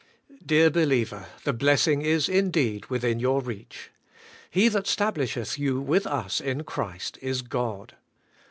Dear believer, the blessing is indeed within your reach. He that stablisheth you with us in Christ is God.